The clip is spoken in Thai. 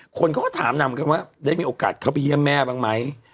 คนเขาก็ถามนางเหมือนกันว่าได้มีโอกาสเข้าไปเยี่ยมแม่บ้างไหม